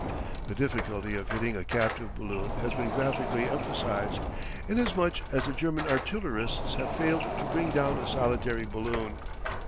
The difficulty of hitting a captive balloon has been graphically emphasised, inasmuch as the German artillerists have failed to bring down a solitary balloon.